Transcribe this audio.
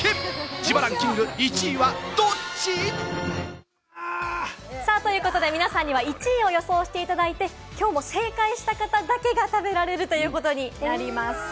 自腹ンキング１位はどっち？ということで、皆さんには１位を予想していただいて、きょうも正解した方だけが食べられるということになります。